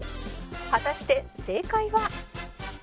果たして正解は